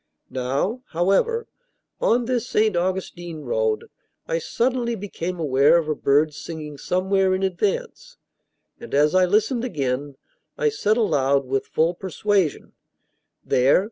Now, however, on this St. Augustine road, I suddenly became aware of a bird singing somewhere in advance, and as I listened again I said aloud, with full persuasion, "There!